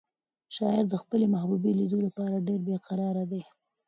شاعر د خپلې محبوبې د لیدو لپاره ډېر بې قراره دی.